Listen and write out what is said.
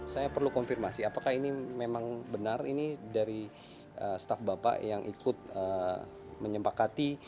saya perlu konfirmasi apakah ini memang benar ini dari staf bapak yang ikut menyempakati